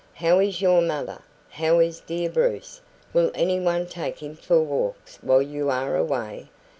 "How is your mother? How is dear Bruce? Will anyone take him for walks while you are away?